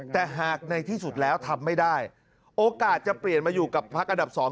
แต่หากในที่สุดแล้วทำไม่ได้โอกาสจะเปลี่ยนมาอยู่กับพักอันดับ๒